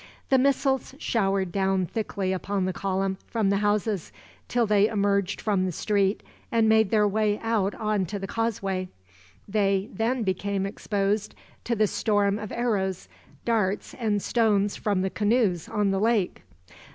The missiles showered down thickly upon the column, from the houses, till they emerged from the street and made their way out on to the causeway. Then they became exposed to the storm of arrows, darts, and stones from the canoes on the lake.